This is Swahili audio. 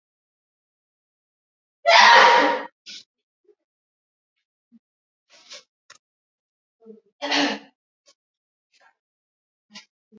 matibabu nchini India Miongoni mwa waliotuma salamu na kufika nyumbani kutoa pole ni